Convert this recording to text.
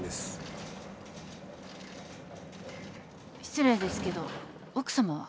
失礼ですけど奥さまは？